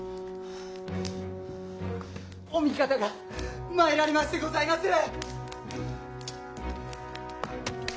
お味方が参られましてございまする！